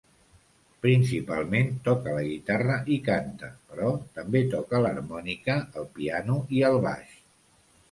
Principalment toca la guitarra i canta però també toca l'harmònica, el piano i el baix.